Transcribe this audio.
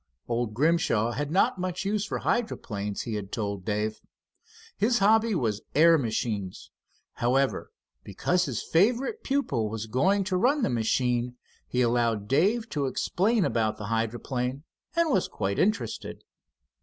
Old Grimshaw had not much use for hydroplanes, he had told Dave. His hobby was air machines. However, because his favorite pupil was going to run the machine, he allowed Dave to explain about the hydroplane, and was quite interested.